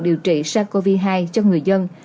điều trị sars cov hai cho người dân